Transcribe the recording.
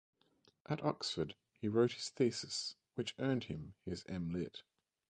At Oxford, he wrote his thesis which earned him his M. Litt.